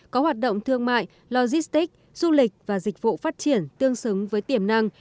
có hoạt động thương mại logistic du lịch và dịch vụ phát triển tương xứng với tiềm năng